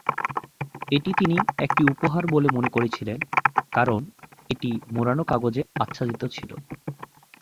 এটি তিনি একটি উপহার বলে মনে করেছিলেন, কারণ এটি মোড়ানো কাগজে আচ্ছাদিত ছিল।